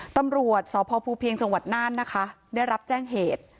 ตำรวจสพภูเพียงจังหวัดน่านนะคะได้รับแจ้งเหตุ